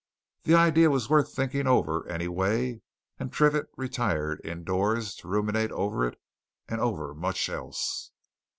The idea was worth thinking over, anyway, and Triffitt retired indoors to ruminate over it and over much else.